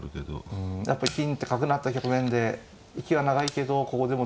やっぱり金出て角成った局面で息は長いけどここでも。